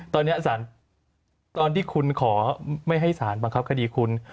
ตอนนี้ตอนที่คุณขอไม่ให้สารบังคับคดีคุณ